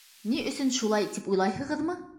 Ни өсөн шулай, тип уйлайһығыҙмы?